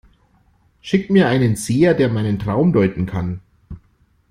Schickt mir einen Seher, der meinen Traum deuten kann!